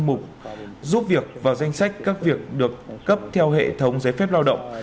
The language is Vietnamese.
mục giúp việc vào danh sách các việc được cấp theo hệ thống giấy phép lao động